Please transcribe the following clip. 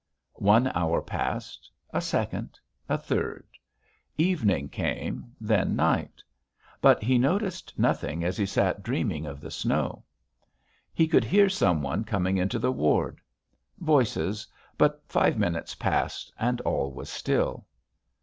One hour passed, a second, a third; evening came, then night; but he noticed nothing as he sat dreaming of the snow. He could hear some one coming into the ward; voices, but five minutes passed and all was still.